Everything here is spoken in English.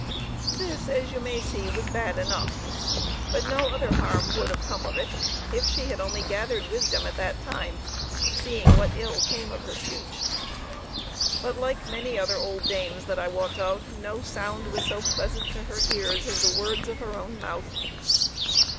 This, as you may see, was bad enough, but no other harm would have come of it if she had only gathered wisdom at that time, seeing what ill came of her speech. But, like many other old dames that I wot of, no sound was as pleasant to her ears as the words of her own mouth.